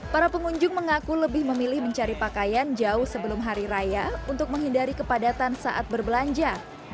para pengunjung mengaku lebih memilih mencari pakaian jauh sebelum hari raya untuk menghindari kepadatan saat berbelanja